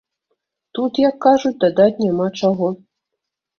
Тут, як кажуць, дадаць няма чаго.